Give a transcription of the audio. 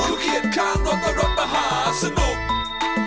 คือเหยียดข้างรถและรถมหาสนุก